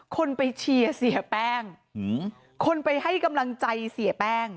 คนไปเชียร์เสียแป้งคนไปให้กำลังใจเสียแป้ง